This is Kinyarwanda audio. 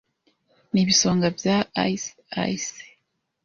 Nibisonga bya ice ice.